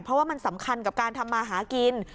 เพราะว่ามันสำคัญกับการทำมาหากิน